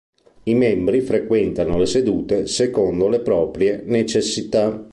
I membri frequentano le sedute secondo le proprie necessità.